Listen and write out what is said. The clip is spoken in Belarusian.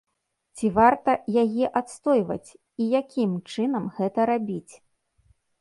Ці варта яе адстойваць і якім чынам гэта рабіць?